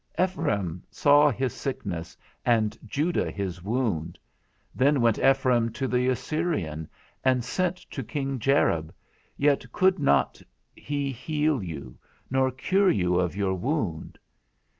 _Ephraim saw his sickness, and Judah his wound; then went Ephraim to the Assyrian, and sent to King Jareb, yet could not he heal you, nor cure you of your wound.